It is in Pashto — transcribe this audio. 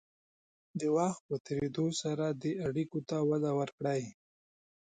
د وخت په تېرېدو سره دې اړیکو ته وده ورکړئ.